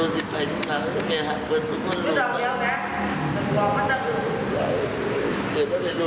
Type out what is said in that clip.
ได้เกลียดมาเป็นลูกแม่ภายใจทุกทัด